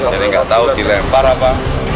jadi nggak tahu jilat yang parah apa